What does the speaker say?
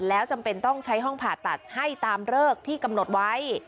แล้วจำเป็นต้องใช้ห้องผ่าตัดให้ตามเลิกที่กำหนดไว้